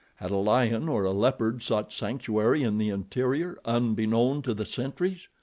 Had a lion or a leopard sought sanctuary in the interior, unbeknown to the sentries?